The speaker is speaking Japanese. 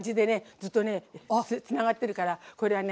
ずっとねつながってるからこれはね